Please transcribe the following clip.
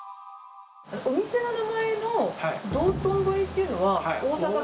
お店の名前の道頓堀っていうのは、大阪の？